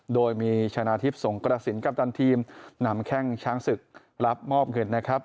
โดยมีชนะทิพย์สงกระสินกัปตันทีมนำแข้งช้างศึกรับมอบเงินนะครับ